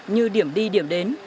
như điểm đi điểm đến